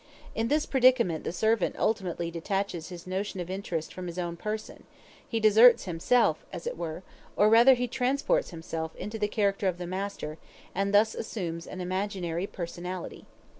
In this predicament the servant ultimately detaches his notion of interest from his own person; he deserts himself, as it were, or rather he transports himself into the character of his master, and thus assumes an imaginary personality.